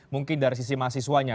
mungkin dari sisi mahasiswanya